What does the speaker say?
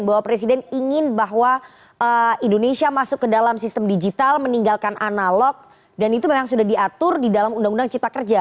bahwa presiden ingin bahwa indonesia masuk ke dalam sistem digital meninggalkan analog dan itu memang sudah diatur di dalam undang undang cipta kerja